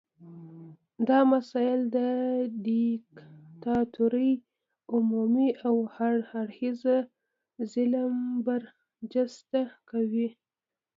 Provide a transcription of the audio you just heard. دا مسایل د دیکتاتورۍ عمومي او هر اړخیز ظلم برجسته کوي.